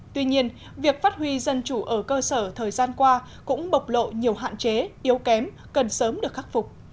tuy nhiên việc phát huy dân chủ ở cơ sở thời gian qua cũng bộc lộ nhiều hạn chế yếu kém cần sớm được khắc phục